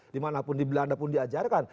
dimana pun di belanda pun diajarkan